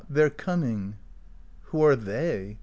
They're coming." "Who are they?"